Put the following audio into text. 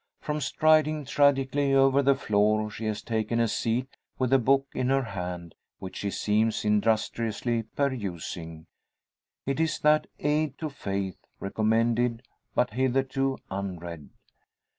From striding tragically over the floor she has taken a seat, with a book in her hand, which she seems industriously perusing. It is that "Aid to Faith" recommended, but hitherto unread.